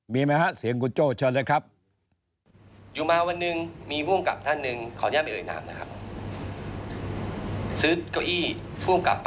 มีมั้ยฮะเสียงคุณโจเชิญนะครับ